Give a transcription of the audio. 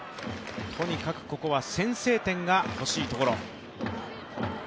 とにかくここは先制点が欲しいところ。